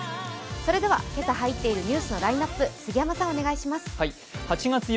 それでは、今朝入っているニュースのラインナップ、杉山さん、お願いします。